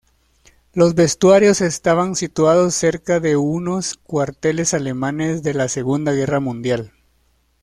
Los vestuarios estaban situados cerca de unos cuarteles alemanes de la Segunda Guerra Mundial.